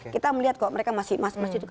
kita melihat kok mereka masih